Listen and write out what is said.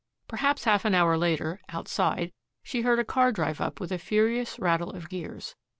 Perhaps half an hour later, outside, she heard a car drive up with a furious rattle of gears.